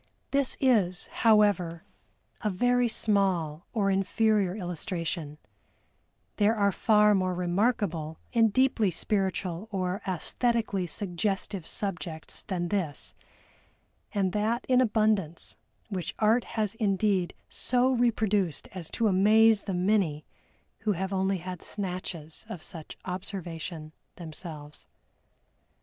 This is, however, a very small or inferior illustration; there are far more remarkable and deeply spiritual or æsthetically suggestive subjects than this, and that in abundance, which Art has indeed so reproduced as to amaze the many who have only had snatches of such observation themselves.